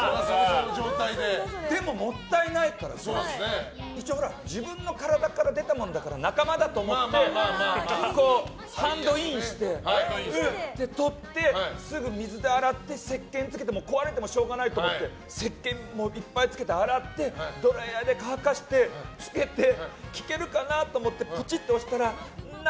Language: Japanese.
でも、もったいないから一応自分の体から出たものだから仲間だと思って、ハンドインして取って、すぐ水で洗って壊れてもしょうがないと思って石けんいっぱいつけて洗ってドライヤーで乾かして、つけて聴けるかなと思ってポチって押したら涙